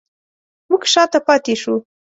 موږ شاته پاتې شوو